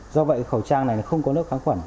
do vậy khẩu trang này không có nước kháng khuẩn